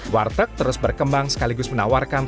warteg terus berkembang sekaligus menambahkan kembangnya